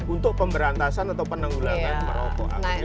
untuk pemberantasan atau penanggulangan merokok